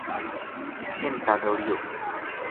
اِنھ تا دوڑیو